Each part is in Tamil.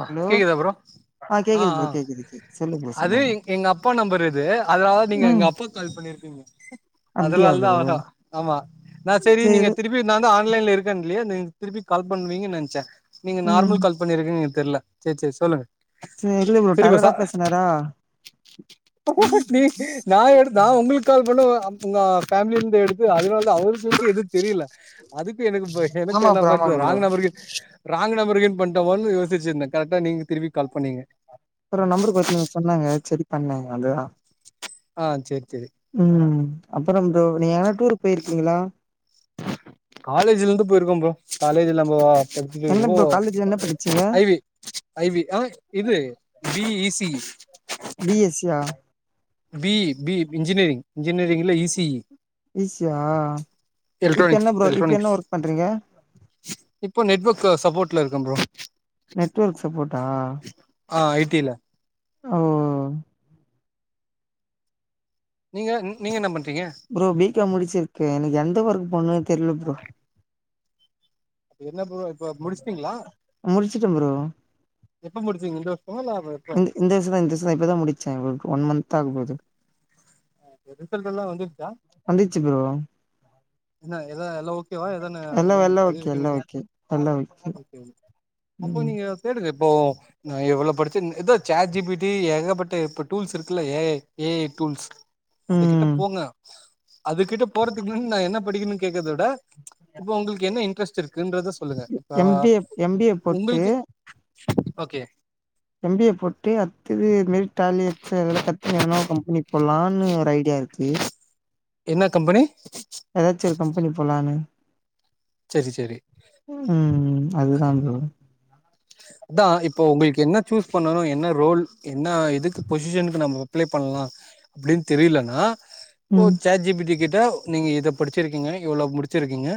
அ ஹலோ கேக்குதா ப்ரோ ஆ கேக்குது ஆ ப்ரோ கேக்குது கேக்குது சொல்லு ப்ரோ அது சொல்லு ப்ரோ எங் எங்க அப்பா நம்பர் இது அதனால நீங்க ம் எங்க அப்பா கால் பண்ணிருக்கீங்க அப்டியா அதனால தா ப்ரோ அஹா ஆமா நா சேரி நீங்க திருப் பி நா தா ஆன்லைன்ல இருக்கேன் இல்லையா நீ திருப்பி கால் பண்ணுவீங்கனு நினைச்சேன் நீங்க ம் நார்மல் எது பண்ணிருக்கீங்கனு எனக்கு தெரில சேரி சேரி சொல்லுங்க சேரி இல்ல ப்ரோ சேரிப்ப டெரரா சா பேசுனாரா நீ நா எடு நா உங்களுக்கு கால் பண்ண உங்க ஃபேமிலில இருந்து எடுத்து அதனால அவருக் எனக்கு எது தெரியல அதுக்கு எனக்கு ப எனக்கு ஆமா ப்ரோ ஆமா என்னப்பன்ற ப்ரோ ராங் நம்பர் கீது ராங் நம்பர் கீனு பண் டோமானு யோசிச்சிருந்தே கரெக்டா நீங்க திரும்பி கால் பண்ணீங்க ஒரு நம்பருக்கு ஒருத்தவுங்க சொன்னாங்க சேரி பண்ணேங்க அவ்ளோதா ஆ சேரி சேரி ம் அப்றோ ப்ரோ நீங்க எங்கனா டூர் போயிருக்கீங்களா காலேஜ்ல இருந்து போயிருக்க ப்ரோ காலேஜ்ல நம்போ படிச்சுட்டு என்ன இருக்கப்போ ப்ரோ காலேஜ்ல என்ன படிச்சீங்க ஐவி ஐ வி ஆ இது D E E C E B S சியா B E B E engineering இன்ஜினியரிங்ல E C E B C யா இப்ப என்ன எல்ட்ரானிக்ஸ் ப்ரோ இப்ப என்ன எல்ட்ரானிக்ஸ் ஒர்க் பண்றீங்க இப்போ நெட்வொர்க் சப்போர்ட்ல இருக்கே ப்ரோ நெட்வொர்க் சப்போட்டா ஆ ஐ டீ ல ஓ நீங்க நீங்க என்ன பண்றீங்க ப்ரோ பி. காம் முடிச்சிருக்கே எனக்கு எந்த ஒர்க் போணுனே தெரில ப்ரோ என்ன ப்ரோ இப்ப முடிச்டீங்களா முடிச்சுட்டே ப்ரோ எப்ப முடிச்சீங்க இந்த வருவோமா லாப் இந்த இந்த விசம் தா இந்தசம் தா இப்பதா முடிச்சே ப்ரோ ஒன் மந்த்த் ஆக போகுது ஆ ரிசல்ட் ல்லா வந்துருச்சா ப்ரோ என்ன எதா லவ் கெ வா இதென்ன எல்லா எல்லா ஓகே பதியறதுக்குனு எல்லா ஏது ஓகே எல்லா ஓகே ஓ கே அப்போ ம் நீங்க தேடுங்க இப்போ நான் எவ்ளோ படிச்சு ஏதோ சே ஜிபி டி ஏகப்பட்ட இப்ப டூல்ஸ் இருக்குல்ல ஏ ஏ ஏஐ டூல்ஸ் அதுகிட்ட ம் போங்க அதுகிட்ட போறதுக்கு முன்ன நா என்ன படிக்கணும்னு கேக்கத விட இப்ப உங்களுக்கு என்ன இன்ட்ரெஸ்ட் இருக்கு‌ங்றத சொல்லுங்க இப்ப M B A M B A போட்டு உங்குளுக்கு ஓகே எம் பி ஏ போட்டு அத்துது மெ ல் டாலி எக்ஸ்ல் இதெல்லா கத்துனு எதனாலு கம்பெனி போடலான்னு ஒரு ஐடியா இருக்கு என்ன கம்பெனி ஏதாச்சு ஒரு கம்பெனி போலான்னு செர் செர் செரி. ம் அதுதா ப்ரோ அதா இப்போ உங்களுக்கு என்ன சூஸ் பண்ணணு என்ன ரோல் என்ன எதுக்கு பொசிஷனுக்கு நம்ம ப்லே பண்ணலா அப்டின்னு தெரியலனா ஓ ம் சேட் ஜி பி டி கிட்ட தோ நீங்க இத படிச்சிருக்கீங்க இவ்ளோ முடிச்சிருக்கீங்க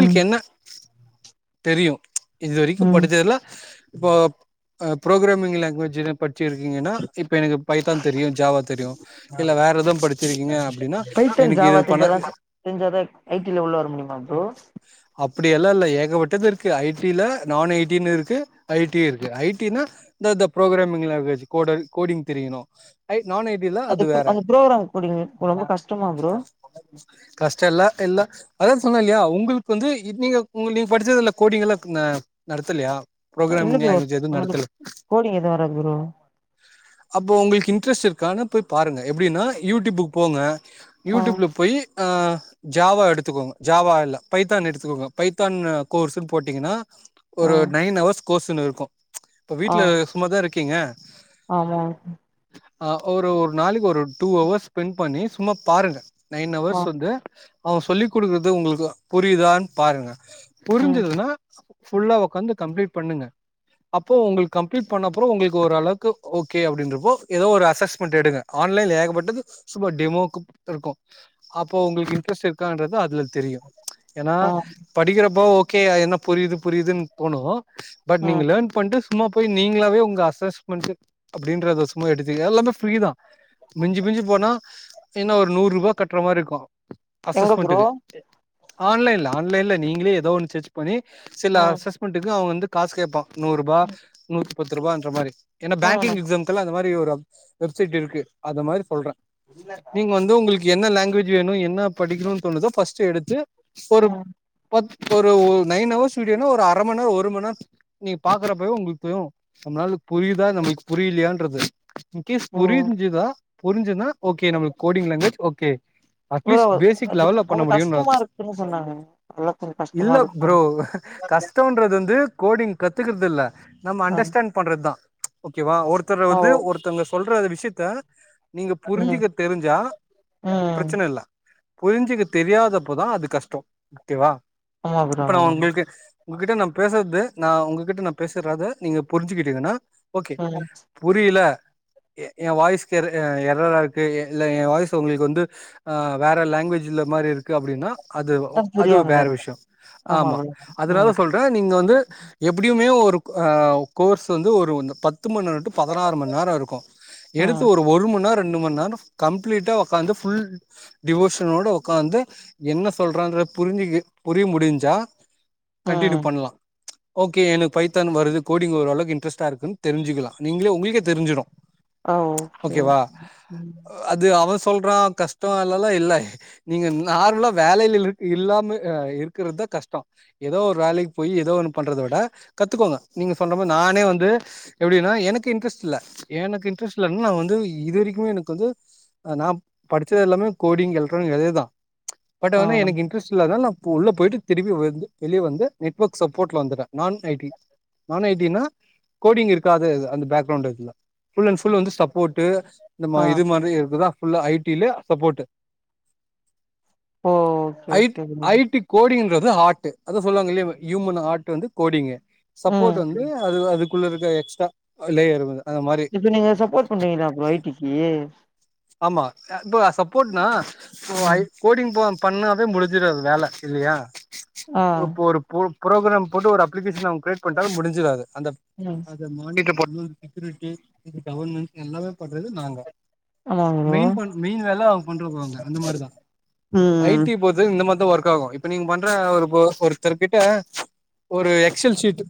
ம் என்ன தெரியு இது வரைக்கு ம் படிச்சதுல இப்போ ஆ ப்ரோக்ரமிங் லாங்குவேஜ்யின படிச்சிருக்கீங்கன்னா இப்ப எனக்கு பைதான் தெரியு ஜாவா தெரியு இல்ல வேற எதவும் படிச்சிருக்கீங்க அப்டின்னா பைத்தன் எனக்கு இது ஜாவா பண்ண தெரிஞ்சாதா ச செரிஞ்சாதா ஐ டீ ல உள்ள வர முடியுமா ப்ரோ அப்டியெல்லா இல்ல ஏகப்பட்டது இருக்கு ஐ டீ ல நான் ஐ டீ னுருக் கு ஐ டீ இருக்கு ஐ டீ னா த த புரோகிராமிங் லாங்வேஜ் கோடல் கோடிங் தெரியணு அய் நான் ஐ டி ல அது வேற அந்த ப்ரோக்ராம் கோடிங் ரொம்ப கஷ்டமா ப்ரோ கஷ்டம் ல்லா இல்ல அதாவது சொன்னே இல்லயா உங்களுக்கு வந்து இத் நீங்க உங்க நீங்க படிச்சதுல கோடிங்கல்லா இருக்குங்க நடத்தலையா இல்ல ப்ரோகிராமிங் ப்ரோ லாங்குவேஜ் எதும் நடத்தல நம்மளுக்கு கோடிங் எதுவு வராது ப்ரோ அப்போ உங்களுக்கு இன்ட்ரெஸ்ட் இருக்கான்னா போய் பாருங்க எப்டின்னா யூடியூப்க்கு போங்க ஆ யூடியூப்ல போய் ஆ ஜாவா எடுத்துக்கோங்க ஜாவா இல்ல பைத்தான் எடுத்துக்கோங்க பைத்தான் கோர்ஸ்ன்னு போட்டீங்கன்னா ஆ ஒரு நைன் அவர்ஸ் கோர்ஸ்ன்னு இருக்கும் இப்ப ஆ வீட்ல சும்மாதான இருக்கீங்க ஆமா ஆ ஒரு ஒரு நாளைக்கு ஒரு டூ அவர்ஸ் ஸ்பெண்ட் பண்ணி சும்மா பாருங்க நைன் ஆ அவர்ஸ் வந்து அவங்க சொல்லி் குடுக்குறது உங்களுக்கு புரியுதான்னு பாருங்க ம் புரிஞ்சுதுன்னா ஃபுல்லா உக்‌காந்து கம்ப்ளீட் பண்ணுங்க அப்போ உங்களுக் கம்ப்ளீட் பண்ணப்பறோ உங்களுக் ஓரளவுக்கு ஓகே அப்டின்றப்போ எதோ ஒரு அசஸ்மெண்ட் எடுங்க ஆன்லைன்ல ஏகப்பட்டது சும்மா டெமோக்கு இருக்கு அப்போ உங்களுக்கு இன்ட்ரெஸ்ட் இருக்கான்றது அதுல தெரியு ஏனா ஆ படிக்கிறப்போ ஓகேயா என்ன புரியிது புரியிதுன் போனோ பட் நீங்க ம் லெர்ன் பண்ட்டு சும்மா போய் நீங்களாவே உங்க அசஸ்மெண்ட்டு அப்டின்றத சும்மா எடுத்து எல்லாமே ஃப்ரீ தா மிஞ்சி மிஞ்சி போனா என்ன ஒர் நூர்ருபா கட்ற மாரிருக்கு எங்க ப்ரோ அசஸ்மெண்ட்டுக்கு ஆன்லைன்ல ஆன்லைன்ல நீங்ளே எதோ ஒன்னு சர்ச் பண்ணி சில ம் அசஸ் மெண்ட்டுக்கு அவ வந்து காஸ் கேப்பா நூர் ருபா, ம் நூத்தி பத்ருபான்ற மாரி ஏனா ம் பேங்க்கிங் ம் எக்ஸாம் க்குலா அந்த மாரி ஒரு அப் வெப்சைட் இருக்கு அது மாதிரி சொல்றே நீங் வந் து உங்களுக்கு என்ன லாங்குவேஜ் வேணுமோ என்ன படிக்கணு தோணுதோ ஃபஸ்ட்டு எடுத்து ஒரு பத் ஒரு ஒர் நைன் அவர்ஸ் வீடியோனா ஒரு அர மண் நேரோ ஒரு மண் நேரோ நீங்க பாக்கறப்பவே உங்களுக் புரியு நம்ளால புரியுதா நம்ளுக் புரியலையான்றது இன்கேஸ் ம். புரிஞ்சிதா புரிஞ்சத்னா ஓகே நம்ளுக் coding language okay bro at least basic அது லெவல்ல பண்ண ரொம்ப முடியுன்னா கஷ்டமா இருக்குன்னு சொன்னாங்க அதெல்லா கொஞ்ச கஷ்டமா இல்ல இருக்கு ப்ரோ கஷ்டோ பண்றத் வந்து கோடிங் கத்துக்கற்தில்ல நம்ம ஆ அண்டர்ஸ்டாண்ட் பண்றத் தா ஓகே வா ஒருத்தர ஓ வந்து ஒருத்தவ்ங்க சொல்ற விஷ்யத்த நீங்க ம் புரிஞ்சிக்க தெரிஞ்சா ம் பிரச்சன இல்ல புரிஞ்சிக்க தெரியாதப்ப தா அது கஷ்டோ ஓகே வா ஆமா ப்ரோ ஆமா ப்ரோ உங்ககிட்ட நா பேசற்து நா உங்ககிட்ட நா பேசறத நீங்க புரிஞ்சுக்கிட்டீங்கன்னா ஓகே ம் புரியில எ எ வாய்ஸ்க் எதோ அ எரரா இருக்கு எ இல்ல எ வாய்ஸ் உங்களுக் வந்து ஆ வேற லாங்குவேஜ்ல மாரி இருக் கு அப்டின்னா அது ஓ ஓ அது புரியாமதா வேற இருக்கு விஷ்யோ ஆமா ப்ரோ அதுனால ம் சொல்றே நீங்க வந்து எப்டியுமே ஒரு அ கோர்ஸ் வந்து ஒரு நு பத்து மண் நேரோ டூ பதனாறு மண் நேரோ இருக்கு எடுத்து ம் ஒரு ஒரு மண் நேரோ ரெண்டு மண் நேரோ கம்ப்ளீட்டா ஒக்காந்து ஃபுல் டிவோஷனோட ஒக்காந்து என்ன சொல்றான்றத் புரிஞ்சிகே புரிய முடிஞ்சா கன்ட்டினியூ ம் பண்லா ஓகே எனக் பைத்தான் வருது கோடிங் ஓரளவுக் இன்ட்ரஸ்ட்டா இருக்குன் தெரிஞ்சிக்கலா நீங்ளே உங்களுக்கே தெரிஞ்சிரு அ ஓகே ம் அது அவ சொல்றா கஷ்டோ அல்லல்லா இல்லே நீங்க நார்மலா வேலைல லுர்க் இல்லாம அ இருக்கறத் தா கஷ்டோ எதோ ஒரு வேலைக் போய் எதோ ஒன்னு பண்றத விட கத்துக்கோங்க நீங்க சொல்ற மார் நானே வந்து எப்டினா எனக்கு இன்ட்ரெஸ்ட் இல்ல எனக்கு இன்ட்ரெஸ்ட் இல்லன் நா வந்து இது வரைக்குமே எனக் வந்து நா படிச்சது எல்லாமே கோடிங் எலக்ட்ரானிக் அதே தா பட் ஆ வந்து எனக் இன்ட்ரெஸ்ட் இல்லாதனால் நா போ உள்ள போய்ட்டு திரும்பி வந்து வெளிய வந்து நெட்வொர்க் சப்போட்ல வந்துட்டே நான் ஐ டி நான் ஐ டி ன்னா கோடிங் இருக்காது இது அந்த பேக்ரவுண்டு இதுல ஃபுல் அண் ஃபுல் வந்து சப்போட்டு நம்ம ஆ இது மாரி இருக்குதா ஃபுல்லா ஐ டி லே சப்போட்டு ஓ ஓகே ஐ ஓகே ப்ரோ ஐ டி கோடிங்ன்றது ஆர்ட்டு அத சொல்லுவாங்கில்லயா யூமன் ஆர்ட் வந்து கோடிங்கு சப்போட் ம் வந்து அது தா அதுக் குள்ள இருக்க எக்ஸ்ட்ரா லேயர் இவுங்க இப்ப நீங்க சப்போட் பண்றீங்ளா ப்ரோ ஐ டி க்கு ஆமா அ இப்போ நா சப்போட்னா இப்போ ஐ ம் கோடிங் போ பண்ணாவே முடிஞ்சிடாது வேல இல்லயா ஆ இப்போ ஒரு போ ப்ரோக்ராம் போட்டு ஒரு அப்ளிகேஷன் அவுங்க கிரேயட் பண்ட்டா முடிஞ்சிறாது அந்த ம் வண்டிக்கு போட்ணு செக்யூரிட்டி இது கவர்மென்ஸ் எல்லாமே பண்றது நாங்க ஆமா ப்ரோ மெயின் பண் மெயின் வேல அவுங்க பண்ட்டுக்குவாங்க அந்த மார்தா ஐ ம். டி பொ து இந்த மார்தா ஒர்க் ஆவு இப்ப நீங்க பண்ற ஒரு போ ஒருத்தர் கிட்ட ஒரு எக்ஸ்ஸல் ஷீட்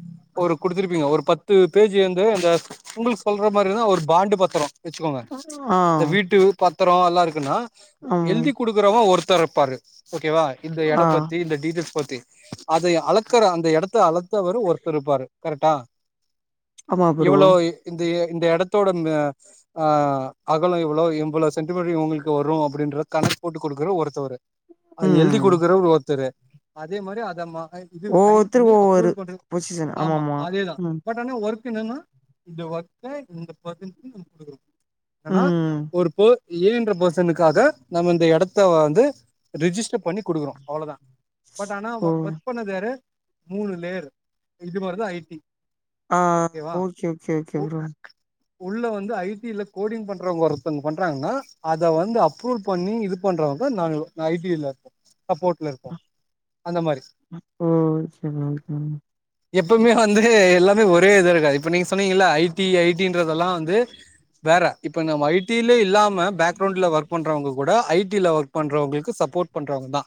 ஒரு குடுத்துருப்பீங்க ஒரு பத் த்து பேஜு வந்து இந்த உங்ளுக்கு சொல்ற மாரிதா ஒரு பாண்டு பத்ரோ வச்சுக்கோங்க ஆ. இந்த வீட்டு பத்ரோ எல்லா இருக்குன்னா ஆமா. எழுதி குடுக்குறவங்க ஒருத்தர் இருப்பாரு ஓகேவா இந்த எட ஆ. பத்தி இந்த டீடெயில்ஸ் பத்தி அதை அளக்கற அந்த எடத்த அளத்தவரு ஒர்த்தர்ருப்பாரு கரெட்டா ஆமா ப்ரோ. இவ்ளோ இந்த இந்த எடத்தோட ம ஆ அகலோ இவ்ளோ இவ்ளோ சென்டிமெட்டர் இவுங்களுக்கு வரு அப்டின்ற கணக்கு போட்டு குடுக்குற ஒருத்தவரு அத எழுதி ம். குடுக்குறவரு ஒர்த்தரு அதே மாரி அத மா ஒவ்வொருத்தரு ஒவ்வொரு பொசிசன் ஆமா ஆமா எல்லாமே ஒர்க் என்னன்னா இந்த ஒர்க்க இந்த பர்சனுக்கு நாம குடுக்குறோ ஆனா ம். பொறுப்பு ஏ ன்ற பர்சனுக்காக நம்ம இந்த எடத்த வந்து ரிஜிஸ்டர் பண்ணி குடுக்குறோ அவ்ளதா பட் ஆனா ஓ! ஒர்க் பண்ணது யாரு மூணு லேயரு இது மாரி தா ஐ டி ஆ ஓகேவா ஓகே ஓகே ஓகே ப்ரோ உள்ள வந்து ஐ டி ல கோடிங் பண்றவங்க ஒருத்தோங்க பண்றாங்கன்னா அத வந்து அப்ரூல் பண்ணி இது பண்றவங்க நாங் நா ஐ டி லருப்போ சப்போர்ட்ல இருப்போ அந்த மாரி ஓ! சரி ஓகே. ப்ரோ. எப்பமே வந்து எல்லாமே ஒரே இது இருக்காது இப்ப நீங்க சொன்னீங்கல ஐ டி ஐ டி ன்றதெல்லா வந்து வேற இப்ப நம்ம ஐ டி ல இல்லாம பேக்ரவுண்ட்ல ஒர்க் பண்றவங்க கூட ஐ டி ல ஒர்க் பண்றவங்களுக்கு சப்போர்ட் பண்றவங் தா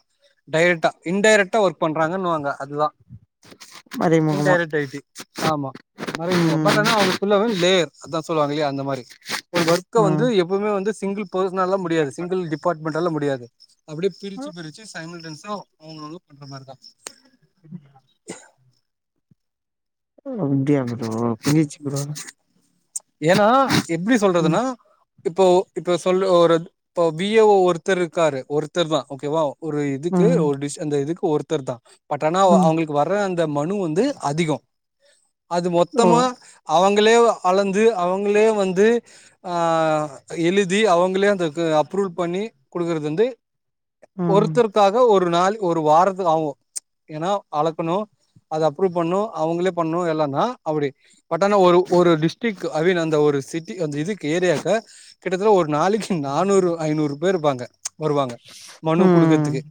டைரக்ட்ட இன்டைரக்ட்டா ஒர்க் பண்றாங்கன்னுவாங்க அதுதா மறைமுகமா. இன்டைரக்ட் ஐ டி ஆமா ம். நாளைக்கு [inaudible] லேர் அதா சொல்லுவாங்கல்லியா அந்த மாரி ஒரு ஒர்க்க வந்து ம். எப்போமே வந்து சிங்கிள் பர்சன்னால முடியாது சிங்கிள் டிபார்ட்மெண்ட்டால முடியாது அப்டியே பிரிச்சு பிரிச்சு சைமில்டன்ஸா அவுங்கவுங்க பண்ற மார் தா அப்பிடியா ஓ அப்டியா ப்ரோ புரிஞ்சிருச்சு ப்ரோ ஏன்னா எப்டி ம். சொல்றதுன்னா இப்போ இப்ப சொல்லு ஒரு இப்ப பி ஓ ஓ ஒர்த்தர் இருக்காரு ஒருத்தர் தா ஓகேவா ஒரு இதுக்கு ம். ஒரு டிஷ் அந்த இதுக்கு ஒர்த்தர் தா பட் ஆனா ம். அவுங்களுக்கு வர்ற அந்த மனு வந்து அதிகோ அது ஓ! மொத்தமா அவங்களே அளந்து அவங்களே வந்து ஆ எழுதி அவங்களே அதுக்கு அப்ரூல் பண்ணி குடுக்குறது வந்து ம். ஒர்த்தருக்காக ஒரு நாள் ஒரு வாரத்துக்கு ஆவு ஏனா அளக்கணு அத அப்ரூவ் பண்ணு அவுங்களே பண்ணு எல்லானா அப்டி பட் ஆனா ஒரு ஒரு டிஷ் டிக்கு ஐ மீன் அந்த ஒரு சிட்டி அந்த இதுக்கு ஏரியாக்கு கிட்டத்தட்ட ஒரு நாளைக்கு நானூறு ஐநூறு பேர்ருப்பாங்க வருவாங்க மனு ம். குடுக்கற்துக்கு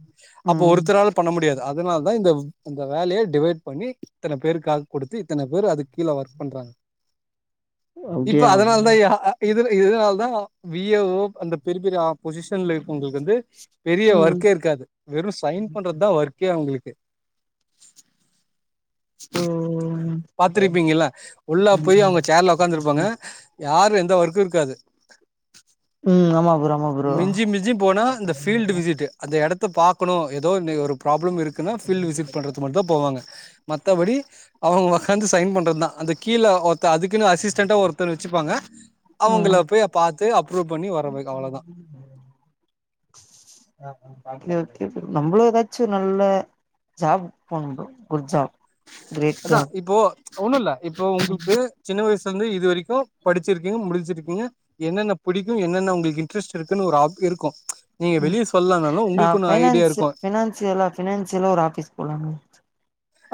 அப்ப ம். ஒருத்தர்றால பண்ண முடியாது அதனால தா இந்த அந்த வேலய டிவைட் பண்ணி இத்தன பேருக்கு ஆள் குடுத்து இத்தன பேர் அது கீழ ஒர்க் பண்றாங்க இப்ப அப்டியா? அதனால தா யா இதுல இதனால தா வி ஏ ஓ அந்த பெரிய பெரிய பொசிஷன்ல இருக்கோங்களுக்கு வந்து பெரிய ம். ஒர்க்கே இருக்காது வெறு சைன் பண்றதுதா ஒர்க்கே அவுங்களுக்கு ம் பாத்திருப்பீங்கல்ல உள்ளா போய் அவுங்க சேர்ல உக்காந்திருப்பாங்க யாரு எந்த ஒர்க்கு இருக்காது ம் ஆமா ப்ரோ ஆமா ப்ரோ. மிஞ்சி மிஞ்சி போனா இந்த ஃபீல்டு விசிட்டு் அந்த எடத்த பாக்கணு எதோ இ ஒரு ப்ராப்ளம் இருக்குன்னா ஃபீல்டு விசிட் பண்றது மட்டுந்தா போவாங்க மத்தபடி அவுங்க உக்காந்து சைன் பண்றதா அந்த கீழ நா அதுக்குன்னு அசிஸ்டன்ண்டா ஒருத்தன வெச்சிருப்பாங்க ஆ அவுங்கள போய் பாத்து அப்ரூவ் பண்ணி வர அவ்ளோதா நம்மளு எதாச்சு நல்ல ஜாப் போணாங்கோ குட் ஜாப் கிரேட் அதா ஜாப் இப்போ ஒண்ணு இல்ல இப்போ ம் உங்ள்க்கு சின்ன வயசுலந்து இது வரைக்கு படிச்சிருக்கீங்க முடிச்சிருக்கீங்க என்னென்ன பிடிக்கும் என்னென்ன புடிக்கு என்னென்ன உங்களுக்கு இன்ட்ரெஸ்ட் இருக்குன்னு ஒரு ஆப் இருக்கு நீங்க வெளிய சொல்னாலு உங்களுக்குனு ஐடியா இருக்கு ஃபைனான்சியலா ஃபனான்சியலா ஒரு ஆஃபீஸ் போலானு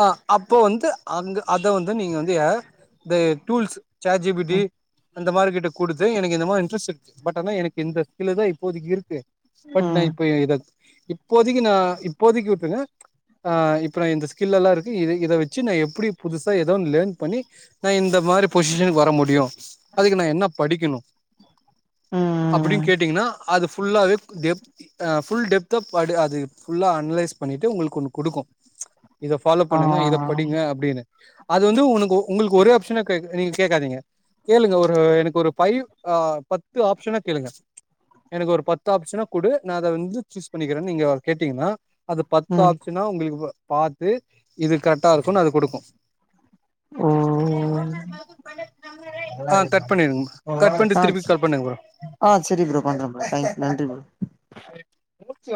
அ அப்போ வந்து அங்க அத வந்து நீங்க வந்து எ இத tools chat G P T ம் அந்த மார்கெட்ட குடுத்து எனக்கு இந்த மாரி இன்ட்ரெஸ்ட் இருக்கு பட்னா எனக்கு இந்த ஃபீல்டுலதா இப்போதைக்கு இருக்கு பட் நா ம் இப்ப இத இப்போதைக்கு நா இப்போதைக்கு விட்ருங்க ஆ இப்ப நா இந்த ஸில்லெலாம் இருக்குது இதது ஸ்கில்லெல்லா இருக்கு இ இத வெச்சு நா எப்டி புதுசா எதோ ஒன்னு லேர்ன் பண்ணி நா இந்த மாரி பொசிஷனுக்கு வர முடியு அதுக்கு நா என்ன படிக்கணு ம் அப்டின்னு கேட்டீங்கனா அது ஃபுல்லாவே எப் அ ஃபுல் டெப்தா படி அது ஃபுல்லா அனலைஸ் பண்ணிட்டு உங்களுக்கு அது ஒன்னு குடுக்கு இத ஃபாலோ ஆ பண்ணுங்க இத படிங்க அப்டின்னு அது வந்து உனக்கு ஒ உங்களுக்கு ஒரே ஆப்ஷனா கே நீங்க கேட்காதீங்க கேளுங்க ஒரு எனக்கு ஒரு ஃபைவ் அ பத்து ஆப்ஷனா கேளுங்க எனக்கு ஒரு பத்து ஆப்ஷனா குடு நா அத வந்து சூஸ் பண்ணிக்கறன்னு நீங்க கேட்டீங்கனா அது பத்து ம் ஆப்ஷனா உங்களுக்கு பாத்து இது கரெக்டா இருக்குனு அது குடுக்கு ஆ ஆ கட் பண்ணிருங்க கட் பண்ணிட்டு ஆ திருப்பி கால் பண்ணுங்க ப்ரோ ஆ சேரி ப்ரோ பண்றன் ப்ரோ தேங்க் நன்றி ப்ரோ